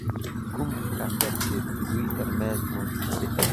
کوم کسر چې د دوی ترمنځ موجود دی